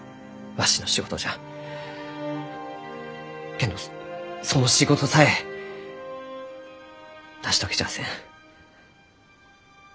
けんどその仕事さえ成し遂げちゃあせん。